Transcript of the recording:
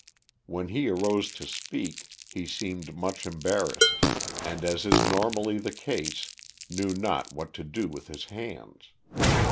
When he arose to speak, he seemed much embarrassed, and as is normally the case, knew not what to do with his hands.